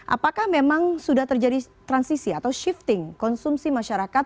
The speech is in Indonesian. apakah memang sudah terjadi transisi atau shifting konsumsi masyarakat